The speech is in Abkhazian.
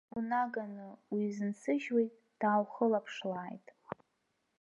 Унаганы уизынсыжьуеит, дааухылаԥшлааит.